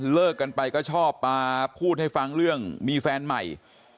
เลิกกันไปก็ชอบมาพูดให้ฟังเรื่องมีแฟนใหม่